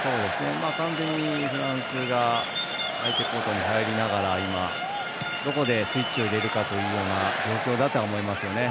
完全にフランスが相手コートに入りながらどこでスイッチを入れるかというような状況だとは思います。